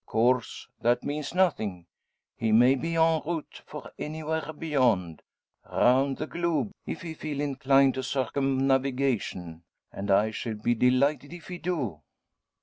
Of course that means nothing. He may be en route for anywhere beyond round the globe, if he feel inclined to circumnavigation. And I shall be delighted if he do."